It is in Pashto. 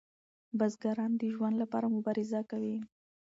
بزګران د ژوند لپاره مبارزه کوي.